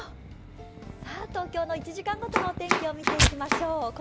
東京の１時間ごとの天気を見ていきましょう。